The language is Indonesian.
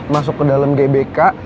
masuknya ais acara